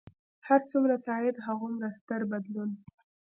هر څومره تایید، هغومره ستر بدلون.